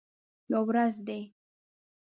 یوه ورځ دي